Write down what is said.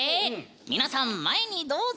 皆さん前にどうぞ！